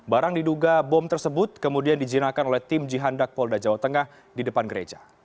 barang diduga bom tersebut kemudian dijinakan oleh tim jihandak polda jawa tengah di depan gereja